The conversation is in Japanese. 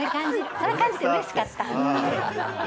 それ感じてうれしかった。